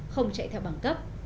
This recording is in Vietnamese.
không chạy theo bằng cấp